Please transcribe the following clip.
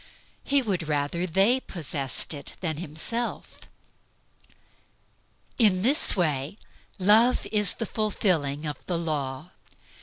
He would rather they possessed it than himself. In this way "Love is the fulfilling of the law."